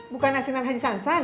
bukan asinan haji sansan